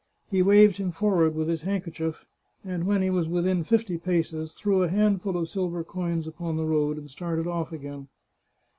He waved him forward with his handkerchief, and when he was within fifty paces threw a handful of silver coins upon the road, and started ofif again.